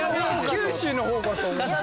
九州の方かと思った。